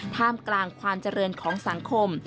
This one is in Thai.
ท่ามกลางความเจริญของสังคม